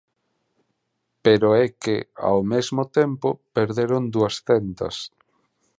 Pero é que, ao mesmo tempo, perderon duascentas.